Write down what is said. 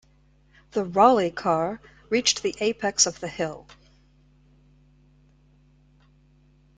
The Raleigh car reached the apex of the hill.